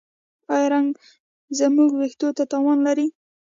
ایا رنګ زما ویښتو ته تاوان لري؟